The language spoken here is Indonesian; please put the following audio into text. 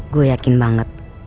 gue yakin banget